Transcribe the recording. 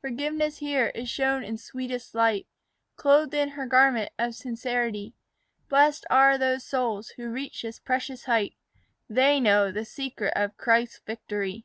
Forgiveness here is shown in sweetest light, Clothed in her garment of sincerity. Blest are those souls who reach this precious height; They know the secret of Christ's victory.